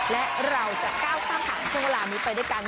และเราจะก้าวข้ามผ่านช่วงเวลานี้ไปด้วยกัน